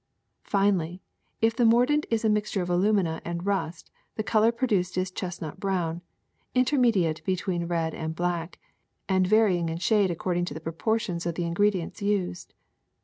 Finallv, if the mordant is a mixture of alumina and rust the color produced is a chestnut bro^vn, intermediate between red and black, and varying in shade according to the proportions of the ingredients used.